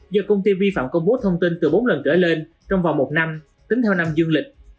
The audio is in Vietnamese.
do công ty vi phạm công bố thông tin từ bốn lần trở lên trong vòng một năm tính theo năm dương lịch